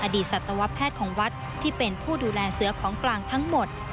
สัตวแพทย์ของวัดที่เป็นผู้ดูแลเสือของกลางทั้งหมด